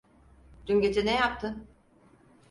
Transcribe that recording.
Dün gece ne yaptın?